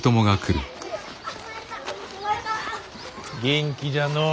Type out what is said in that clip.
元気じゃのう。